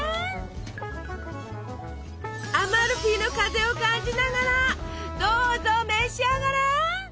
アマルフィの風を感じながらどうぞ召し上がれ！